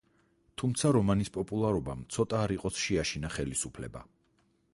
თუმცა რომანის პოპულარობამ, ცოტა არ იყოს, შეაშინა ხელისუფლება.